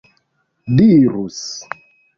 dirus